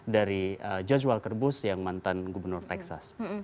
dari george walker bush yang mantan gubernur texas